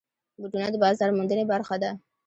بوټونه د بازار موندنې برخه ده.